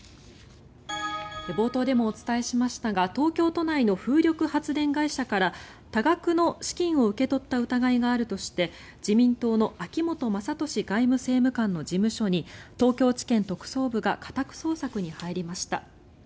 冒頭でもお伝えしましたが東京都内の風力発電会社から多額の資金を受け取った疑いがあるとして自民党の秋本真利外務政務官の事務所に東京地検特捜部が家宅捜索に入りました。